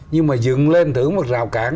nhưng mà dựng lên thử một rào cản